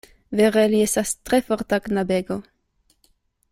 Vere li estas tre forta knabego.